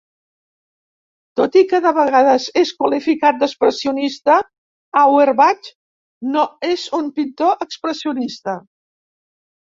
Tot i que de vegades és qualificat d'expressionista, Auerbach no és un pintor expressionista.